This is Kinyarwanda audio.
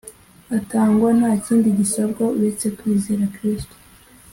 atangwa nta kindi gisabwa uretse kwizera Kristo